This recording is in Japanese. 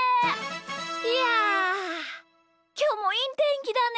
いやきょうもいいてんきだね。